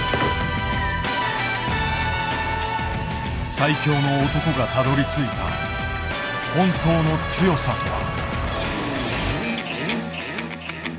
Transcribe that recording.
最強の男がたどりついた本当の強さとは。